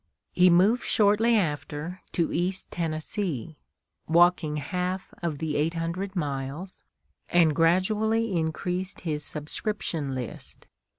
He moved shortly after to East Tennessee, walking half of the eight hundred miles, and gradually increased his subscription list.